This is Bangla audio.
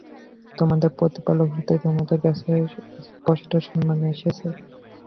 তোমাদের প্রতিপালক হতে তোমাদের কাছে স্পষ্ট প্রমাণ এসেছে।